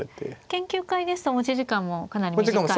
研究会ですと持ち時間もかなり短いですよね。